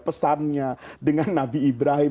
pesannya dengan nabi ibrahim